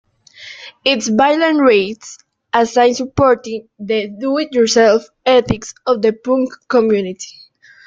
Its byline reads "A zine supporting the Do-It-Yourself ethics of the punk community".